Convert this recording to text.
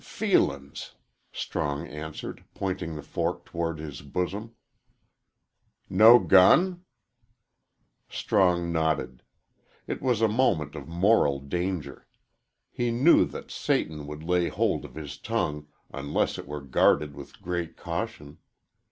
"F feelin's!" Strong answered, pointing the fork towards his bosom. "No gun?" Strong nodded. It was a moment of moral danger. He knew that Satan would lay hold of his tongue unless it were guarded with great caution.